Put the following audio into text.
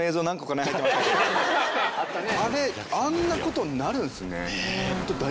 あれあんなことなるんすね。